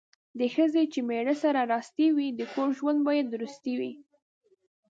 د ښځې چې میړه سره راستي وي، د کور ژوند یې په درستي وي.